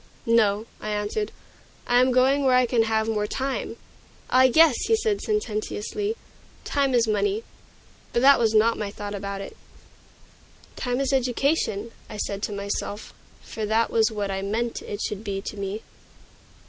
"No," I answered, "I am going where I can have more time." "Ah, yes!" he said sententiously, "time is money." But that was not my thought about it. "Time is education," I said to myself; for that was what I meant it should be to me.